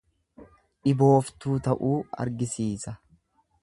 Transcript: Dhibooftuu ta'uu argisiisa.